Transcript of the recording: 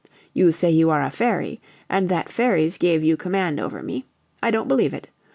You say you are a fairy, and that fairies gave you command over me. I don't believe it!